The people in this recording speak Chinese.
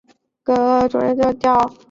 埃尔斯沃思地。